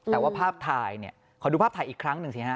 แต่ว่าภาพถ่ายเนี่ยขอดูภาพถ่ายอีกครั้งหนึ่งสิฮะ